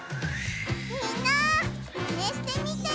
みんなマネしてみてね！